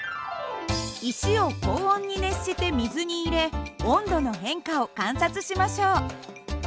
石を高温に熱して水に入れ温度の変化を観察しましょう。